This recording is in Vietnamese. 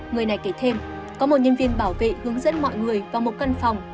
người này kể thêm có một nhân viên bảo vệ hướng dẫn mọi người vào một căn phòng